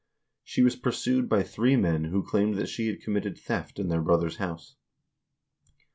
She was pur sued by three men who claimed that she had committed theft in their brother's house.